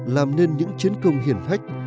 làm nên những chiến công hiển hách